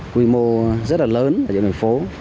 quy mô rất là lớn ở những nơi phố